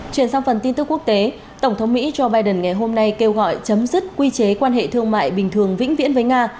chuyển sang phần tin tức quốc tế tổng thống mỹ joe biden ngày hôm nay kêu gọi chấm dứt quy chế quan hệ thương mại bình thường vĩnh viễn với nga